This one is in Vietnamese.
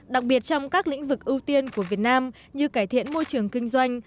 đặc biệt trong các lĩnh vực ưu tiên của việt nam như cải thiện môi trường kinh doanh